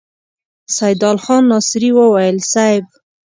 سيدال خان ناصري وويل: صېب!